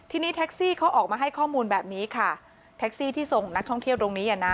ทีนี้แท็กซี่เขาออกมาให้ข้อมูลแบบนี้ค่ะแท็กซี่ที่ส่งนักท่องเที่ยวตรงนี้อ่ะนะ